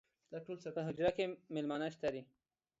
پۀ حجره کې میلمانۀ شته دي